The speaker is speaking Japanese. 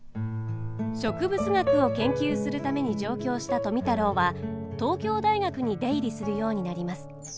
植物学を研究するために上京した富太郎は東京大学に出入りするようになります。